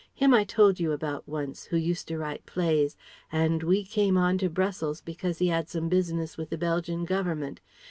him I told you about once, who used to write plays, and we came on to Brussels because he had some business with the Belgian Government.